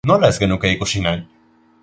Nola ez genuke ikusi nahi?